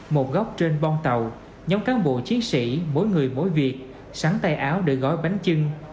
một góc trên bong tàu nhóm cán bộ chiến sĩ mỗi người mỗi việc sắn tay áo để gói bánh trưng